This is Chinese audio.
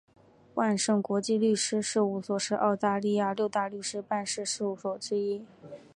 万盛国际律师事务所是澳大利亚六大律师事务所之一。